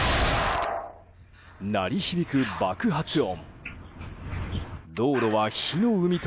鳴り響く爆発音。